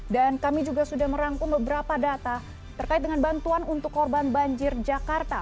dan kami juga sudah merangkum beberapa data terkait dengan bantuan untuk korban banjir jakarta